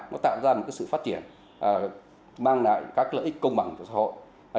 nó tạo ra một sự phát triển mang lại các lợi ích công bằng của xã hội